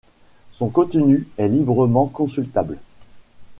Son contenu est librement consultable.